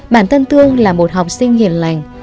bản thân thương là một học sinh hiền lành